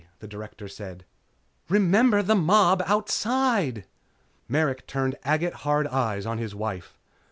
the Director said. "Remember the mob outside!" Merrick turned agate hard eyes on his wife.